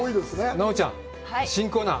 奈緒ちゃん、新コーナー。